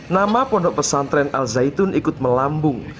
nama pondok pesantren al zaitun ikut melambung